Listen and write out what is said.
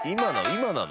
今なの？